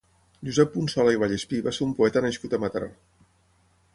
Josep Punsola i Vallespí va ser un poeta nascut a Mataró.